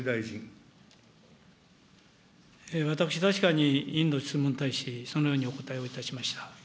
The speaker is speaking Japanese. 私、確かに委員の質問に対しそのようにお答えをいたしました。